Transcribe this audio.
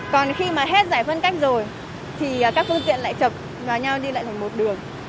còn khi mà hết giải phân cách rồi thì các phương tiện lại chập vào nhau đi lại thành một đường